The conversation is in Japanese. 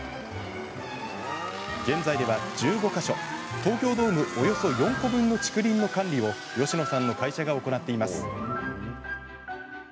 現在では、１５か所東京ドームおよそ４個分の竹林の管理を吉野さんの会社が行っています。